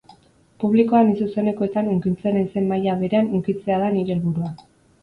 Publikoa ni zuzenekoetan hunkitzen naizen maila berean hunkitzea da nire helburua.